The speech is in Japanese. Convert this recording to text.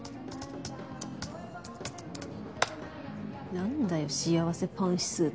なんだよ「幸せパン指数」って。